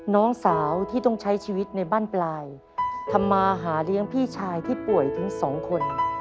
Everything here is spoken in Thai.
น้องสาวที่ต้องใช้ชีวิตในบ้านปลายทำมาหาเลี้ยงพี่ชายที่ป่วยถึงสองคน